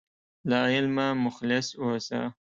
له علمه مخلص اوسه.